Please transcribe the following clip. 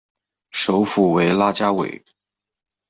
首府为拉加韦。